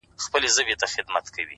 د ښار په جوارگرو باندي واوښتلې گراني ـ